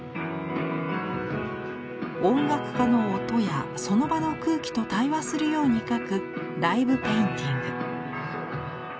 音楽家の音やその場の空気と対話するように描くライブペインティング。